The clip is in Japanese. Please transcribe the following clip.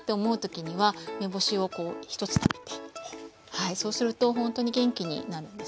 はいそうするとほんとに元気になるんですね。